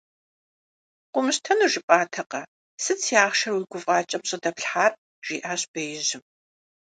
Къыумыщтэну жыпӀатэкъэ, сыт си ахъшэр уи гуфӀакӀэм щӀыдэплъхьар? - жиӀащ беижьым.